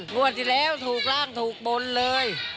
งวดที่แล้วถูกร่างถูกบนเลย